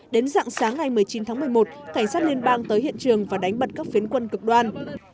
đến dạng sáng ngày một mươi chín tháng một mươi một cảnh sát liên bang tới hiện trường và đánh bật các phiến quân cực đoan